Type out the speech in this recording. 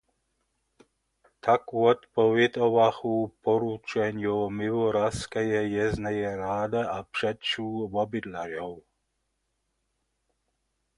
Tak wotpowědowachu poručenju Miłoraskeje wjesneje rady a přeću wobydlerjow.